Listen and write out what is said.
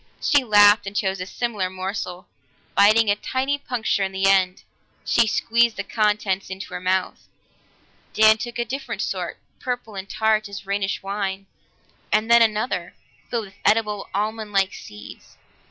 She laughed and chose a similar morsel; biting a tiny puncture in the end, she squeezed the contents into her mouth. Dan took a different sort, purple and tart as Rhenish wine, and then another, filled with edible, almond like seeds.